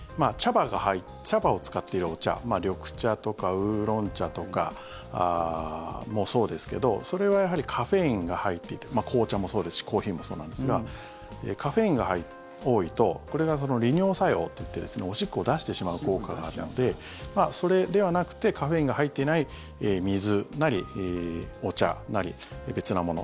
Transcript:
茶葉を使っているお茶、緑茶とかウーロン茶とかもそうですけどそれはやはりカフェインが入っていて紅茶もそうですしコーヒーもそうなんですがカフェインが多いとこれが利尿作用といっておしっこを出してしまう効果があって、それではなくてカフェインが入っていない水なり、お茶なり、別なもの。